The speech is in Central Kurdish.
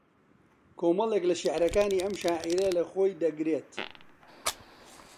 کۆمەڵێک لە شێعرەکانی ئەم شاعێرە لە خۆی دەگرێت